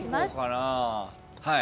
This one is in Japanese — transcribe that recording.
はい。